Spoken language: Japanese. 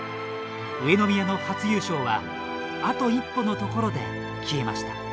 上宮の初優勝はあと一歩のところで消えました。